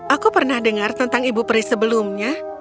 aku pernah dengar tentang ibu peri sebelumnya